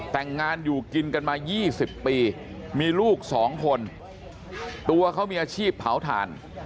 แต่งงานอยู่กินกันมา๒๐ปีมีลูกสองคนตัวเขามีอาชีพเผาถ่าน